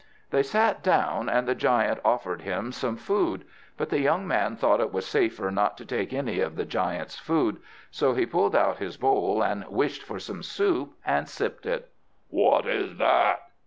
They sat down, and the giant offered him some food. But the young man thought it was safer not to take any of the giant's food, so he pulled out his bowl, and wished for some soup, and sipped it. "What is that?"